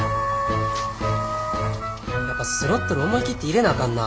やっぱスロットル思い切って入れなあかんな。